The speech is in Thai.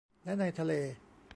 และในทะเล